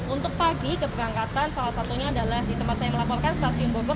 untuk pagi keberangkatan salah satunya adalah di tempat saya melaporkan stasiun bogor